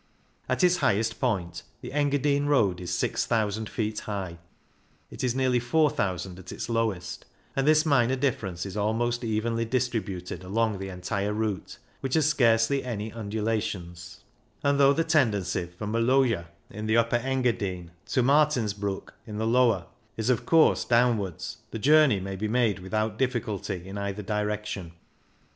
At its highest point the Engadine road is six thousand feet high ; it is nearly four thousand at its lowest, and this minor difference is almost evenly dis tributed along the entire route, which has scarcely any undulations ; and though the tendency from Maloja in the Upper Engadine to Martinsbruck in the Lower is, of course, downwards, the journey may be made without difficulty in either direction.